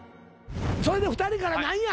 それで２人から何や？